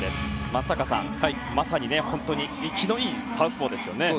松坂さん、まさに本当に生きのいいサウスポーですね。